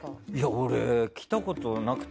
俺はきたことなくて。